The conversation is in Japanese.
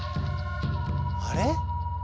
あれ？